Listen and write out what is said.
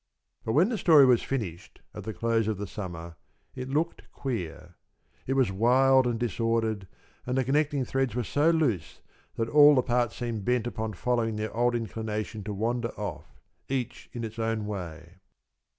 But when the story was finished at the close of the summer, it looked queer. It was wild and disordered, and the connecting threads were so loose that all the parts seemed bent upon following their old inclination to wander off, each in its own way.